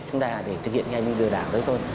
cái đó là để thực hiện ngay như lừa đảo đấy thôi